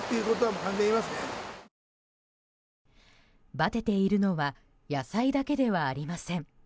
ばてているのは野菜だけではありません。